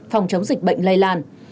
phòng chống dịch bệnh lây lan